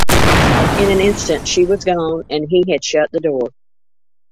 In an instant she was gone, and he had shut the door.